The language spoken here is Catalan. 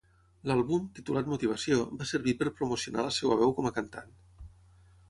L'àlbum, titulat "Motivació", va servir per promocionar la seva veu com a cantant.